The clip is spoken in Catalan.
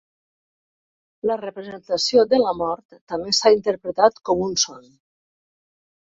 La representació de la mort també s"ha interpretat com un son.